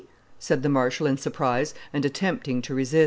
said the marshal in surprise, and attempting to resist.